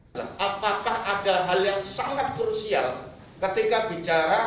tidak ada efek apa apa apakah ada kelanjutan efeknya akan menjatuhkan anis